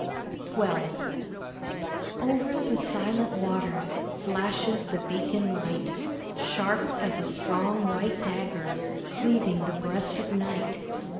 XII Over the silent waters Flashes the beacon light, Sharp as a strong, white dagger Cleaving the breast of Night.